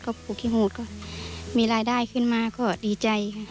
พวกปลูกขี้หูดพวกมีรายได้ขึ้นมาดีใจ